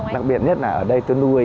đặc biệt nhất là ở đây tôi nuôi